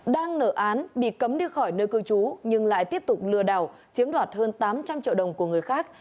đang nở án bị cấm đi khỏi nơi cư trú nhưng lại tiếp tục lừa đảo chiếm đoạt hơn tám trăm linh triệu đồng của người khác